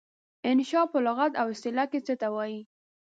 انشأ په لغت او اصطلاح کې څه ته وايي؟